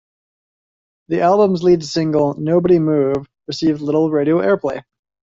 The album's lead single, "Nobody Move", received little radio airplay.